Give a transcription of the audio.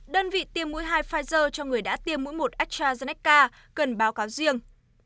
đơn vị tiêm mũi hai pfizer cho người đã tiêm mũi một astrazeneca cần báo cáo riêng